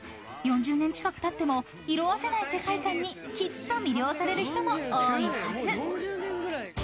［４０年近くたっても色あせない世界観にきっと魅了される人も多いはず］